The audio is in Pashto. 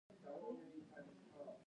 ورپسې د هه چه روغتون پر لور رهي شوو.